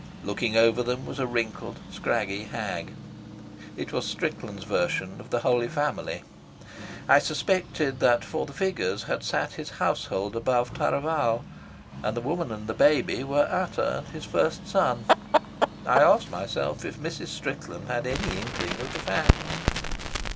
Looking over them was a wrinkled, scraggy hag. It was Strickland's version of the Holy Family. I suspected that for the figures had sat his household above Taravao, and the woman and the baby were Ata and his first son. I asked myself if Mrs. Strickland had any inkling of the facts.